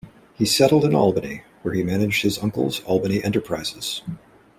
He settled in Albany, where he managed his uncle's Albany enterprises.